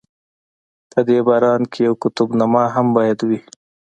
په دې باران کې یوه قطب نما هم باید وي.